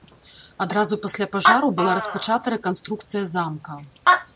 Адразу пасля пажару была распачата рэканструкцыя замка.